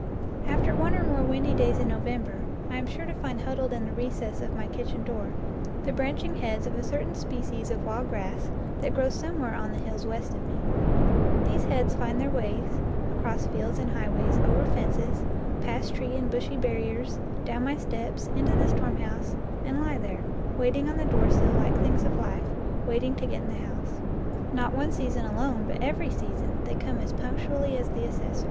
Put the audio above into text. After one or more windy days in November I am sure to find huddled in the recess of my kitchen door the branching heads of a certain species of wild grass that grows somewhere on the hills west of me* These heads find their ways across fields and high ways, over fences, past tree and bushy barriers, down my steps, into the storm house, and lie there, waiting on the doorsill like things of life, waiting to get into the house. Not one season alone, but every season, they come as punctually as the assessor.